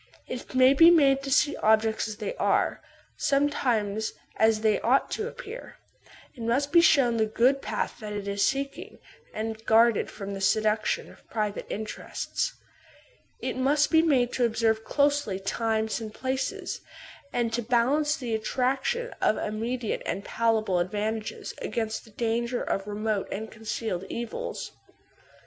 It must be made to see objects as they are, sometimes as they ought to ap pear; it must be shown the good path that it is seeking, and guarded from the seduction of private interests; it must be made to observe closely times and places, and to balance the attraction of immediate and palpable ad vantages against the danger of remote and concealed evils.